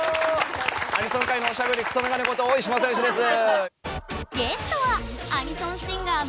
アニソン界のおしゃべりクソメガネことオーイシマサヨシです。